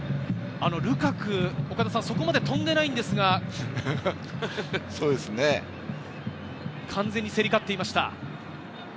ルカク、そこまで跳んでいないんですが、完全に競り勝っていました。